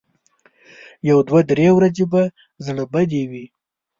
یو دوه درې ورځې به زړه بدې وي.